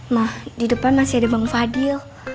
mah di depan masih ada bang fadil